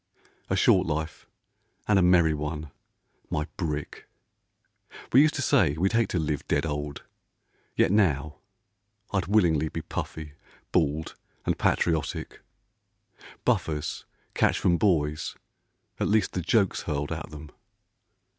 ] A short life and a merry one, my brick ! We used to say we'd hate to live dead old, — Yet now ... I'd willingly be puffy, bald, And patriotic. Buffers catch from boys At least the jokes hurled at them.